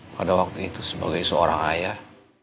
pada waktu itu sebagai seorang ayah